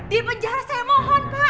di penjara saya mohon pak